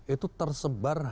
itu tersebar hampir